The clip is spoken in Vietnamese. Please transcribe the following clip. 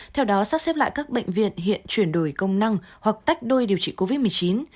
theo đó sắp xếp lại các bệnh viện hiện chuyển đổi công năng hoặc tách đôi điều trị covid một mươi chín